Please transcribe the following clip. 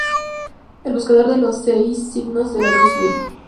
El Buscador de Los Seis Signos de la Luz, Will.